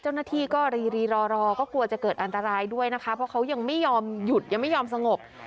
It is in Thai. เจ้าหน้าที่ก็รีรีรอก็กลัวจะเกิดอันตรายด้วยนะคะเพราะเขายังไม่ยอมหยุดยังไม่ยอมสงบ